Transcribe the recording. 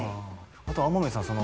あと天海さん